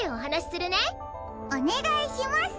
おねがいします。